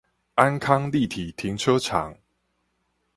安康立體停車場